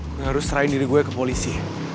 nggak harus serahin diri gue ke polisi